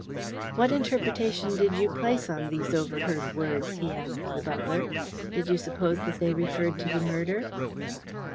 "What interpretation did you place on these overheard words?" he asked the butler. "Did you suppose that they referred to the murder?"